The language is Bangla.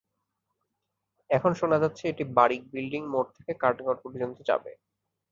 এখন শোনা যাচ্ছে, এটি বারিক বিল্ডিং মোড় থেকে কাঠগড় পর্যন্ত যাবে।